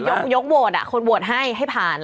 คือยกโหวตอะคนโหวตให้ให้ผ่า